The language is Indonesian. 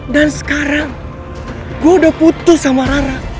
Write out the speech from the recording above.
dan sekarang gue udah putus sama rara